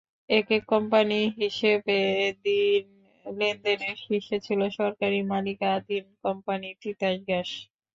একক কোম্পানি হিসেবে এদিন লেনদেনের শীর্ষে ছিল সরকারি মালিকানাধীন কোম্পানি তিতাস গ্যাস।